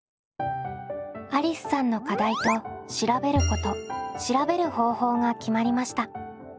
ありすさんの課題と調べること調べる方法が決まりました。